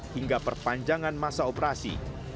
hingga perpanjangan masa operasi